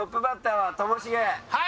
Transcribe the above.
はい！